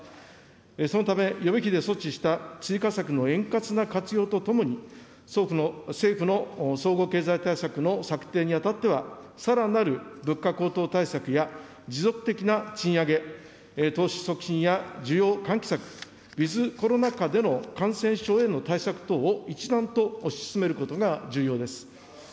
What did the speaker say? そのため、予備費で措置した追加策の円滑な活用とともに、政府の総合経済対策の策定にあたっては、さらなる物価高騰対策や持続的な賃上げ、投資促進や需要喚起策、ウィズコロナ下での感染症への対策等を一段と推し進めることが重要です。